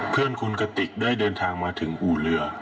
เพื่อนคุณกติกได้เดินทางมาถึงอู่เรือ